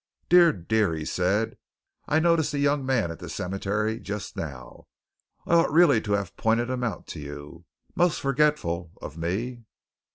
"Dear, dear!" he said. "I noticed the young man at the cemetery just now I ought really to have pointed him out to you most forgetful of me!"